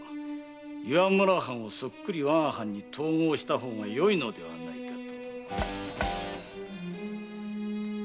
岩村藩をそっくり我が藩に統合した方がよいのではないかと。